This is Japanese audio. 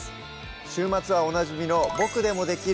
週末はおなじみの「ボクでもできる！